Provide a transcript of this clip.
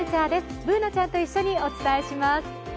Ｂｏｏｎａちゃんと一緒にお伝えします